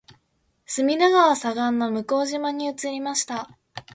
隅田川左岸の向島に移りました